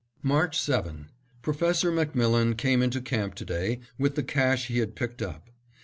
March 7: Professor MacMillan came into camp to day with the cache he had picked up.